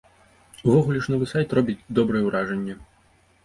Увогуле ж новы сайт робіць добрае ўражанне.